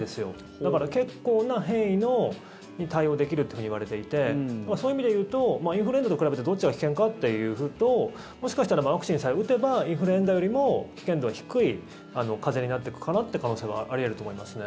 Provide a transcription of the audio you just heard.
だから、結構な変異に対応できるというふうにいわれていてそういう意味でいうとインフルエンザと比べてどっちが危険かというともしかしたらワクチンさえ打てばインフルエンザよりも危険度が低い風邪になってくかなっていう可能性はあり得ると思いますね。